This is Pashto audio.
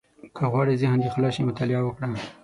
• که غواړې ذهن دې خلاص شي، مطالعه وکړه.